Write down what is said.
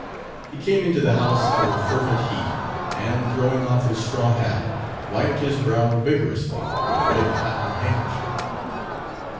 He came into the house out of the fervent heat, and, throwing off his straw hat, wiped his brow vigorously with a red cotton handkerchief.